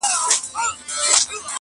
• تنها نوم نه چي خصلت مي د انسان سي,